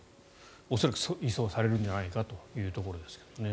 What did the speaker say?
恐らく、移送されるんじゃないかというところですけどね。